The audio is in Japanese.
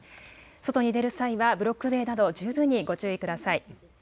外に出る際はブロック塀など、十分にご注意ください。